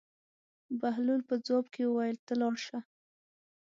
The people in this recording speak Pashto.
بهلول په ځواب کې وویل: ته لاړ شه.